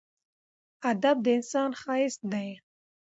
ادب د انسان ښایست دی.